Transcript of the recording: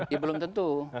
ya belum tentu